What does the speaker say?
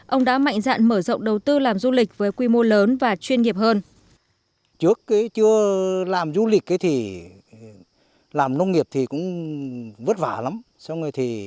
ông đã mạnh dạn mở rộng đầu tư làm du lịch với quy mô lớn và chuyên nghiệp hơn